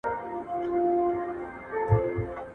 هغه په پاسته کوچ باندې د لږ وخت لپاره وغځېد.